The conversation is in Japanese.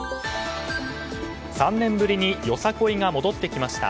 ３年ぶりによさこいが戻ってきました。